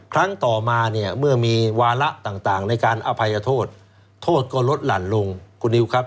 ครั้งต่อมาเนี่ยเมื่อมีวาระต่างในการอภัยโทษโทษโทษก็ลดหลั่นลงคุณนิวครับ